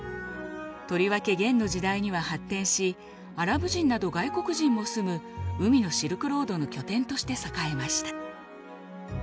とりわけ元の時代には発展しアラブ人など外国人も住む「海のシルクロード」の拠点として栄えました。